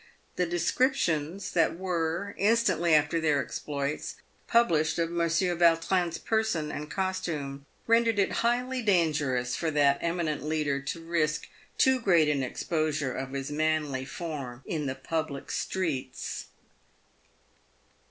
The descriptions that were, in stantly after their exploits, published of Monsieur Yautrin's person and costume rendered it highly dangerous for that eminent leader to risk too great an exposure of his manly form in the public streets.